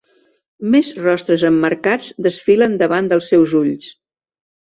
Més rostres emmarcats desfilen davant dels seus ulls.